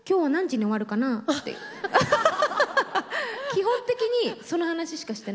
基本的にその話しかしてないです。